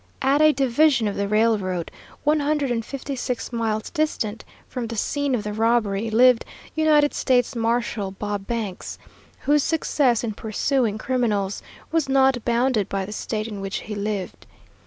At a division of the railroad one hundred and fifty six miles distant from the scene of the robbery, lived United States Marshal Bob Banks, whose success in pursuing criminals was not bounded by the State in which he lived.